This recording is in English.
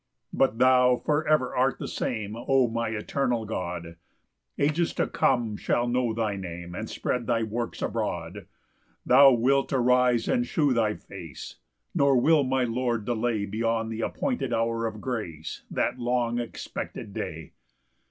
10 But thou for ever art the same, O my eternal God: Ages to come shall know thy Name, And spread thy works abroad. 11 Thou wilt arise and shew thy face, Nor will my Lord delay Beyond th' appointed hour of grace, That long expected day.